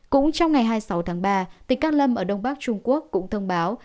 cũng trong ngày hai mươi sáu tháng ba tỉnh các lâm ở đông bắc trung quốc cũng thông báo